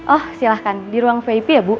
oh silahkan di ruang vip ya bu